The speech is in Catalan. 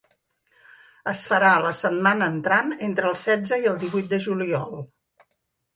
Es farà la setmana entrant, entre el setze i el divuit de juliol.